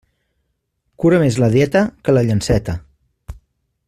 Cura més la dieta que la llanceta.